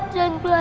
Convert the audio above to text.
terima kasih pak